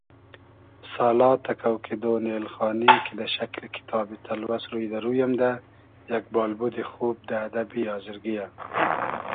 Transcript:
سالا تئکۆ کیدۉن اېلخانی کی دۂ شئکلی کیتابی تئلوئس روی دۂ روی امدۂ، یئگ بالبودی خوب دۂ ادئبی آزرگی یۂ